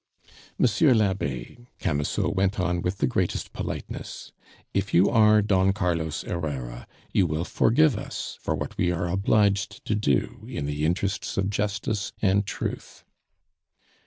"Monsieur l'Abbe," Camusot went on, with the greatest politeness, "if you are Don Carlos Herrera, you will forgive us for what we are obliged to do in the interests of justice and truth."